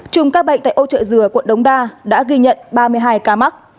chùm các bệnh tại âu trợ dừa quận đống đa đã ghi nhận ba mươi hai ca mắc